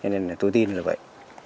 nên tôi tin là vậy